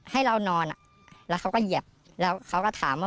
ให้เรานอนอ่ะแล้วเขาก็เหยียบแล้วเขาก็ถามว่า